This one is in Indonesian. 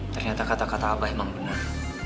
ternyata kata kata abah memang benar